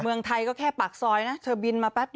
เมืองไทยก็แค่ปากซอยนะ